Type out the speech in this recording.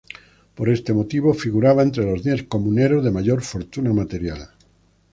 Por este motivo, figuraba entre los diez comuneros de mayor fortuna material.